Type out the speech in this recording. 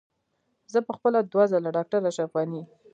زه په خپله دوه ځله ډاکټر اشرف غني.